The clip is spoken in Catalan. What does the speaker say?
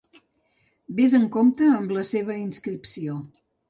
Vés amb compte amb la seva inscripció.